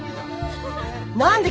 何で？